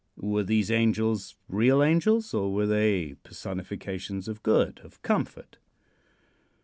Were these angels real angels, or were they personifications of good, of comfort?